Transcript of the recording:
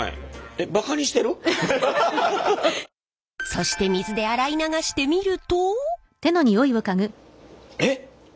そして水で洗い流してみると。え！？